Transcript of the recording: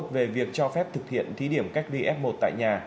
về việc cho phép thực hiện thí điểm cách ly f một tại nhà